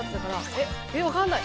えっわかんない。